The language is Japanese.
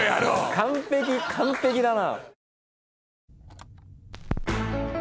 完璧完璧だな。